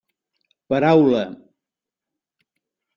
Paraula.